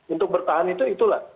untuk bertahan itu itulah